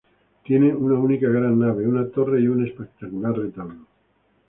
Tiene una única gran nave, una torre y un espectacular retablo.